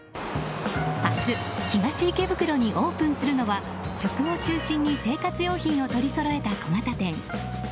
明日、東池袋にオープンするのは食を中心に生活用品を取りそろえた小型店ＭＵＪＩｃｏｍ